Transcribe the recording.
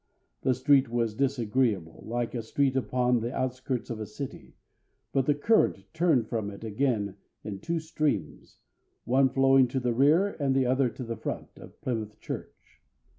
The street was disagreeable like a street upon the outskirts of a city, but the current turned from it again in two streams, one flowing to the rear and the other to the front of Plymouth Church.